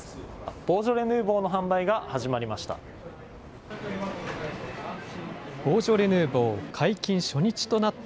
ボージョレ・ヌーボーの販売が始まりました。